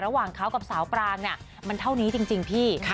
ระหว่างเขากับสาวปรางเนี่ยมันเท่านี้จริงพี่